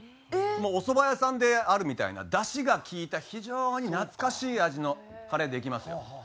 もうおそば屋さんであるみたいなだしが利いた非常に懐かしい味のカレーできますよ。